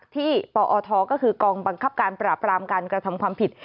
ปอทก็คือกองบังคับการปราบรามการกระทำความผิด